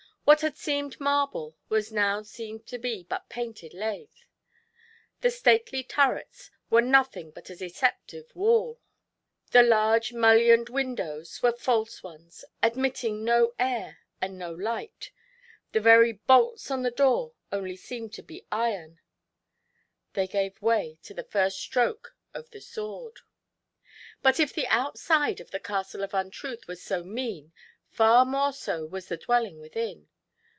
What had seemed marble waa now seen to be but painted lath ; the stately turrets were nothing but 60 GIANT UNTRUTH. a deceptive wall; the large mullioned windows were false ones, admitting no air and no light ; the very bolts on the door only seemed to be iron — they gave way to the first stroke of the sword. But if the outside of the Castle of Untruth was so mean, far more so was the dwelling within.